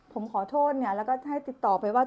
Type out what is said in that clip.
ผมขอโทษแล้วก็ติดต่อไปว่า